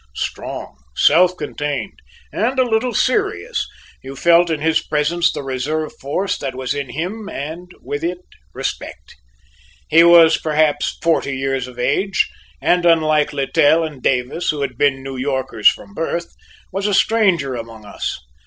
Strong, self contained, and a little serious, you felt in his presence the reserve force that was in him and with it respect. He was, perhaps, forty years of age, and unlike Littell and Davis, who had been New Yorkers from birth, was a stranger among us.